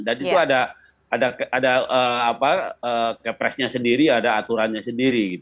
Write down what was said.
dan itu ada kepresnya sendiri ada aturannya sendiri